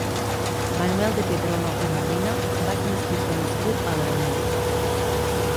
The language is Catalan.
Manuel de Pedrolo i Molina va ser un escriptor nascut a L'Aranyó.